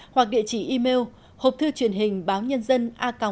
hoặc địa chỉ email hộp thư truyền hình báo nhân dân a gmail com